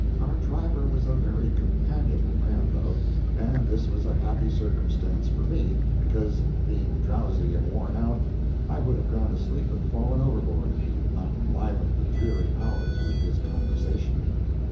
Our driver was a very companionable man, though, and this was a happy circumstance for me, because, being drowsy and worn out, I would have gone to sleep and fallen overboard if he had not enlivened the dreary hours with his conversation.